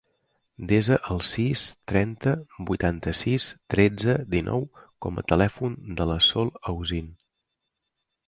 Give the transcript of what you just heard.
Desa el sis, trenta, vuitanta-sis, tretze, dinou com a telèfon de la Sol Ausin.